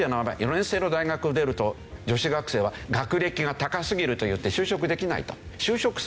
４年制の大学を出ると女子学生は学歴が高すぎるといって就職できないと。